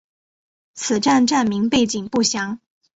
此站站名背景不详。